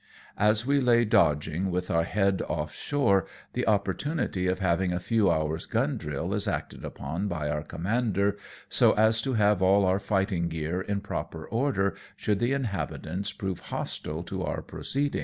As we lay dodging with our head off shore, the opportunity of having a few hours' gun drill is acted upon by our commander, so as to have all our fighting gear in proper order should the inhabitants prove hostile to our proceedings.